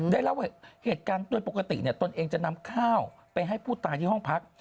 เล่าว่าเหตุการณ์โดยปกติตนเองจะนำข้าวไปให้ผู้ตายที่ห้องพัก